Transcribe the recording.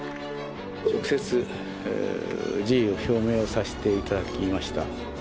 直接、辞意を表明をさせていただきました。